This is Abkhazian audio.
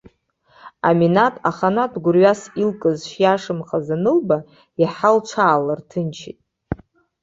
Аминаҭ аханатә гәырҩас илкыз шиашамхаз анылба, иаҳа лҽаалырҭынчит.